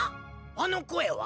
あの声は？